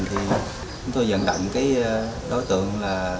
chúng tôi dẫn động đối tượng